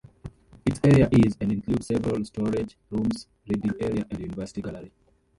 Its area is and includes several storage rooms, reading area and University Gallery.